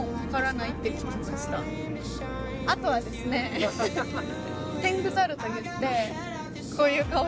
あとはですねテングザルといって。